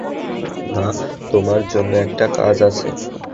না, তোমার জন্য একটা কাজ আছে।